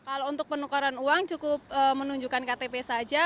kalau untuk penukaran uang cukup menunjukkan ktp saja